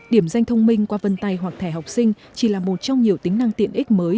điểm danh thông minh qua vân tay hoặc thẻ học sinh chỉ là một trong nhiều tính năng tiện ích mới